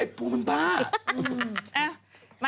เอ้ยปูมันบ้า